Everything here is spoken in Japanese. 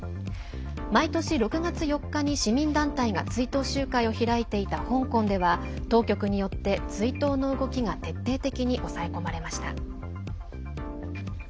毎年６月４日に市民団体が追悼集会を開いていた香港では当局によって、追悼の動きが徹底的に抑え込まれました。